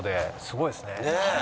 すごいですね。